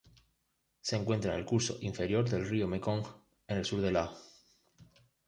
Se encuentra en el curso inferior del río Mekong en el sur de Laos.